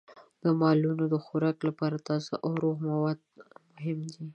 د مالونو د خوراک لپاره تازه او روغ مواد مهم دي.